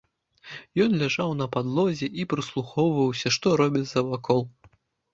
Ён ляжаў на падлозе і прыслухоўваўся, што робіцца вакол.